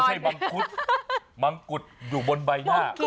ไม่ใช่มังกุฎมังกุฎอยู่บนใบหน้า